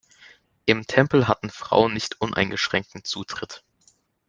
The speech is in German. Im Tempel hatten Frauen nicht uneingeschränkten Zutritt.